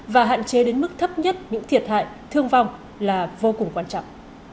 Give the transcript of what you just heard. và hạn chế đến mức thấp nhất những thiệt hại thương vong là vô cùng quan trọng